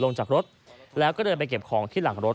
ลงจากรถมาเก็บของที่หลังรถ